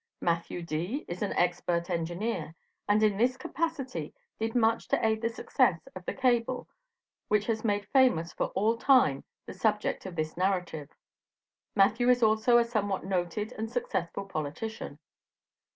Matthew D. is an expert engineer, and in this capacity did much to aid the success of the cable which has made famous for all time the subject of this narrative. Matthew is also a somewhat noted and successful politician.